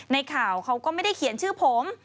ในข่าวเขาก็ไม่ได้เขียนชื่อผม